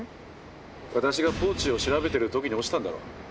私がポーチを調べてる時に落ちたんだろう。